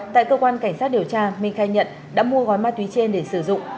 tại cơ quan cảnh sát điều tra minh khai nhận đã mua gói ma túy trên để sử dụng